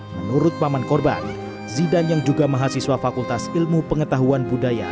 menurut paman korban zidan yang juga mahasiswa fakultas ilmu pengetahuan budaya